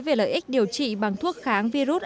về lợi ích điều trị bằng thuốc kháng virus